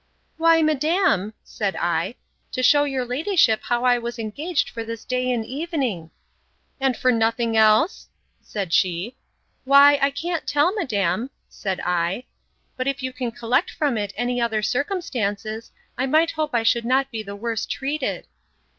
—Why, madam, said I, to shew your ladyship how I was engaged for this day and evening.—And for nothing else? said she. Why, I can't tell, madam, said I: But if you can collect from it any other circumstances, I might hope I should not be the worse treated.